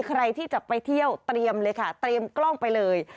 ใครที่จะไปเที่ยวเตรียมเลยค่ะเตรียมกล้องไปเลย